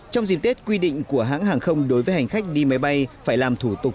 trong dịp tết quy định của hãng hàng không đối với hành khách đi máy bay phải làm thủ tục